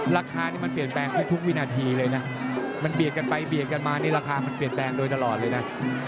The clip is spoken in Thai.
ราคากันเรียกมาราคามันเปลี่ยนตามด้วยถรอดเลยนะ